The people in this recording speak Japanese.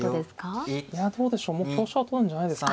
いやどうでしょう。